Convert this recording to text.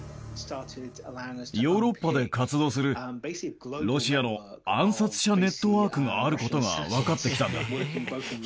ヨーロッパで活動するロシアの暗殺者ネットワークがあることが分かってきたんだ。